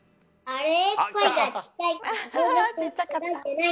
あれ？